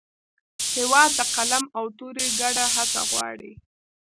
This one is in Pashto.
هېواد د قلم او تورې ګډه هڅه غواړي.